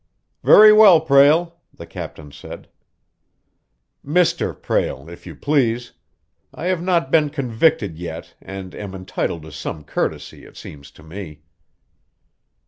"Very well, Prale," the captain said. "Mr. Prale, if you please. I have not been convicted yet and am entitled to some courtesy, it seems to me."